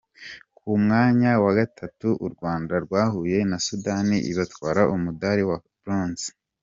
Ku mwanyawa gatatu u Rwanda rwahuye na Sudani ibatwara umudari wa bronze.